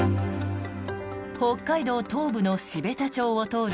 北海道東部の標茶町を通る